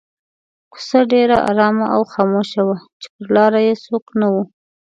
کوڅه ډېره آرامه او خاموشه وه چې پر لاره یې څوک نه وو.